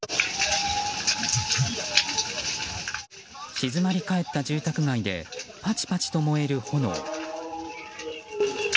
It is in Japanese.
静まり返った住宅街でパチパチと燃える炎。